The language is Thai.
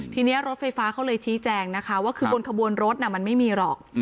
ทีนี้รถไฟฟ้าเขาเลยชี้แจงนะคะว่าคือบนขบวนรถมันไม่มีหรอก